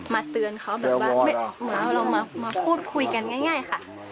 มาเตือนเขาแบบว่าเรามาพูดคุยกันง่ายค่ะ